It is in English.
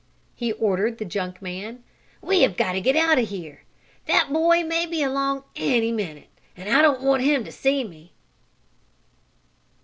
he ordered the junk man. "We got to get out of here! That boy may be along any minute, and I don't want him to see me!"